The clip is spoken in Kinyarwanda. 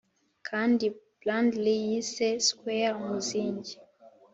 kandi blandly yise square umuzingi